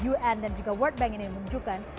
un dan juga world bank ini menunjukkan